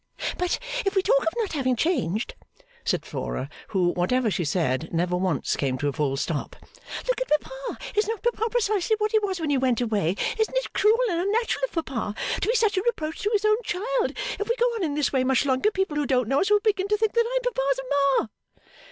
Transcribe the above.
'But if we talk of not having changed,' said Flora, who, whatever she said, never once came to a full stop, 'look at Papa, is not Papa precisely what he was when you went away, isn't it cruel and unnatural of Papa to be such a reproach to his own child, if we go on in this way much longer people who don't know us will begin to suppose that I am Papa's Mama!